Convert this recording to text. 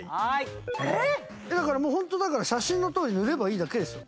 ホントだから写真のとおり塗ればいいだけですよ。